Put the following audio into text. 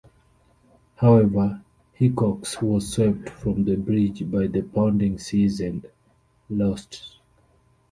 However, Hickox was swept from the bridge by the pounding seas and lost.